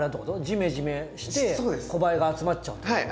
ジメジメして小バエが集まっちゃうってこと？